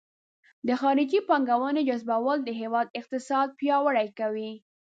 د خارجي پانګونې جذبول د هیواد اقتصاد پیاوړی کوي.